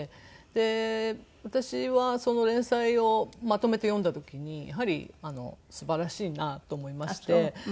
で私はその連載をまとめて読んだ時にやはりすばらしいなと思いまして。